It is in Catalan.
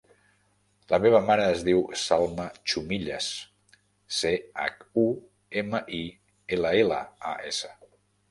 La meva mare es diu Salma Chumillas: ce, hac, u, ema, i, ela, ela, a, essa.